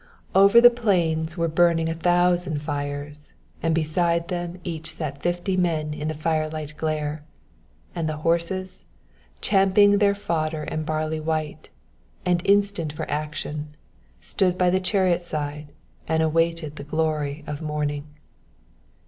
Over the plains were burning a thousand fires, and beside them Each sat fifty men in the firelight glare; and the horses, Champing their fodder and barley white, and instant for action, Stood by the chariot side and awaited the glory of morning.